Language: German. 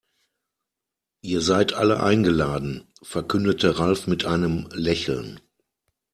Ihr seid alle eingeladen, verkündete Ralf mit einem Lächeln.